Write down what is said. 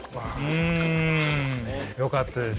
うんよかったです。